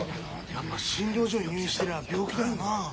やっぱ診療所に入院してるなら病気だよな？